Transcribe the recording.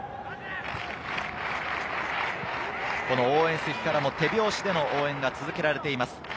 応援席からも手拍子での応援が続けられています。